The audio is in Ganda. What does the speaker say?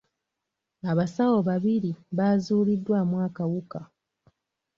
Abasawo babiri baazuuliddwamu akawuka.